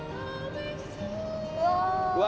うわ。